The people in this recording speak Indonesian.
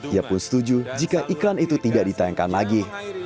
ia pun setuju jika iklan itu tidak ditayangkan lagi